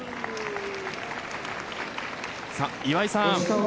岩井さん